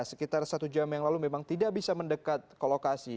sekitar satu jam yang lalu memang tidak bisa mendekat ke lokasi